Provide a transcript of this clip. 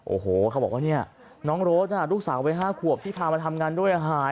โอ้โหเขาบอกว่าเนี่ยน้องโรดลูกสาววัย๕ขวบที่พามาทำงานด้วยอาหาร